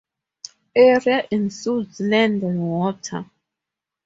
Area includes land and water.